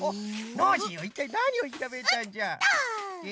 ノージーはいったいなにをひらめいたんじゃ？え？